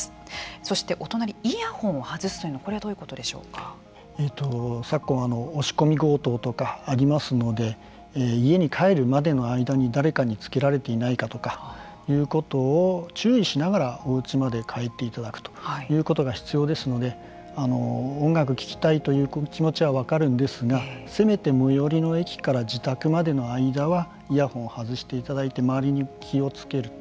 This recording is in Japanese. そして、お隣イヤホンを外すというのは昨今、押し込み強盗とかもありますので家に帰るまでの間に誰かにつけられていないかそういうことを注意しながらおうちまで帰っていただくということが必要ですので、音楽を聴きたいという気持ちは分かるんですが最寄りの駅から自宅までの間はイヤホンを外していただいて周りに気をつける。